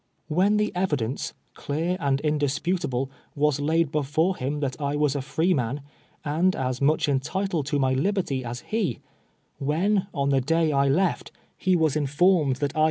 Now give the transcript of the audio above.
When the evidence, clear and indisputable, was laid before him that I was a free man, and as much entitled to my liberty as he — when, on the day I left, he was informed that I 184 TWELVE YEARS A SLAVE.